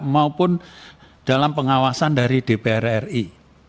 maupun dalam pengawasan dari dpr ri